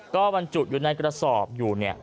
ก็บรรจุอยู่ในกระสอบอยู่เนี่ย